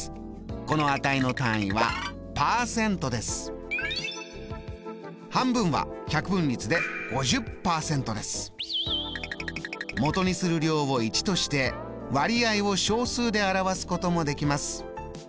この値の単位は半分は百分率でもとにする量を１として割合を小数で表すこともできます。